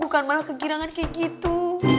bukan malah kegirangan kayak gitu